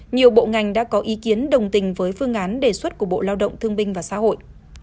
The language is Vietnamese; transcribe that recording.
nhiều bộ ngành đã có ý kiến đồng tình với phương án đề xuất của bộ lao động thương binh và xã hội